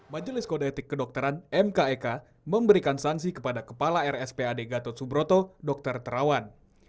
majelis kode etik kedokteran mkek memberikan sanksi kepada kepala rspad gatot subroto dr terawan